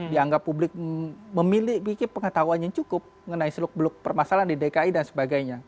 dianggap publik memiliki pengetahuan yang cukup mengenai seluk beluk permasalahan di dki dan sebagainya